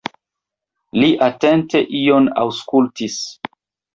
Li atente ion aŭskultis.